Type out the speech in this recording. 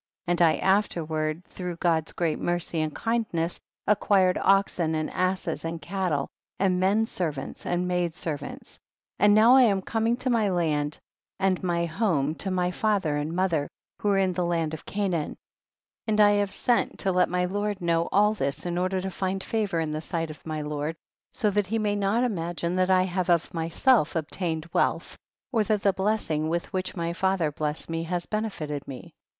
5. And I afterward through God's great mercy and kindness acquired oxen and asses and cattle, and men servants and maid servants. 6. And now I am coming to my land and my home to my father and mother, who arc in tlie land of Canaan ; and I have sent to let my lord know all this in order to find favor in the sight of my lord, so that he may not imagine that I have uf w?/.?e//" obtained wealth, or tiiat the blessing with which my father bless ed me has benefited me.